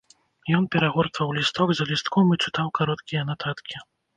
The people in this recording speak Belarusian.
Ён перагортваў лісток за лістком і чытаў кароткія нататкі.